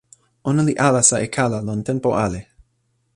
ona li alasa e kala lon tenpo ale.